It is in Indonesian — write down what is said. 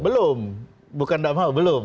belum bukan tidak mau belum